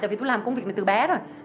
tại vì tôi làm công việc này từ bé rồi